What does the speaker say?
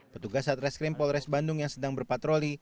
petugas satres krim polres bandung yang sedang berpatroli